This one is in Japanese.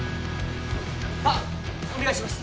あっお願いします